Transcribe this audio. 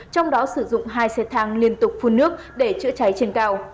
trong đó sử dụng hai xe thang liên tục phun nước để chữa cháy trên cao